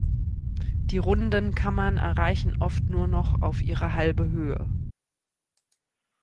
Die runden Kammern erreichen oft nur noch auf ihre halbe Höhe.